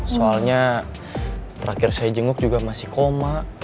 soalnya terakhir saya jenguk juga masih koma